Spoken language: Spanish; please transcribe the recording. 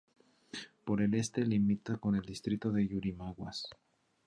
Por el este limita con el distrito de Yurimaguas.